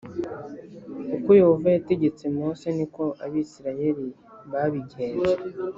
Uko Yehova yategetse Mose ni ko Abisirayeli babigenje